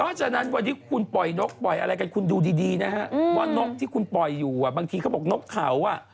เพราะฉะนั้นวันนี้คุณปล่อยนกปล่อยอะไรกันคุณดูดีนะฮะว่านกที่คุณปล่อยอยู่บางทีเขาบอกนกเขาอ่ะ